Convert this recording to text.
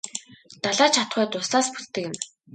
Далай ч атугай дуслаас бүтдэг юм.